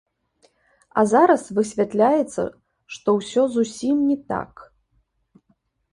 А зараз высвятляецца, што ўсё зусім не так.